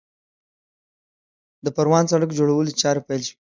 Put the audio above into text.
د پروان سړک جوړولو چارې پیل شوې